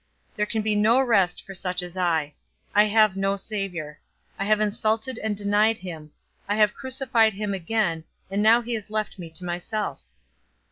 There can be no rest for such as I. I have no Savior; I have insulted and denied him; I have crucified him again, and now he has left me to myself."